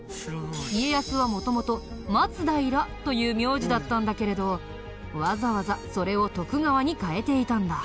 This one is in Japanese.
家康は元々「松平」という名字だったんだけれどわざわざそれを「徳川」に変えていたんだ。